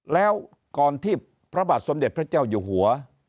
แล้วก่อนที่พระบาทสมเด็จพระเจ้าอยู่หัว